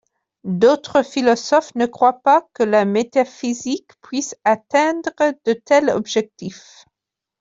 D'autres philosophes ne croient pas que la métaphysique puisse atteindre de tels objectifs.